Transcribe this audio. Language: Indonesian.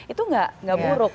itu gak buruk